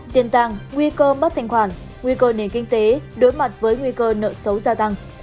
tiền tăng nguy cơ mất thanh khoản nguy cơ nền kinh tế đối mặt với nguy cơ nợ xấu gia tăng